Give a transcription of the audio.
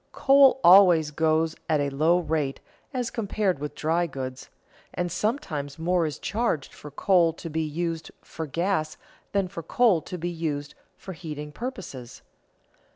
Coal always goes at a low rate as compared with dry goods, and sometimes more is charged for coal to be used for gas than for coal to be used for heating purposes.